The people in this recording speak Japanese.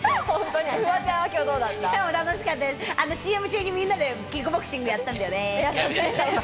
ＣＭ中、皆でキックボクシングやったんだよね。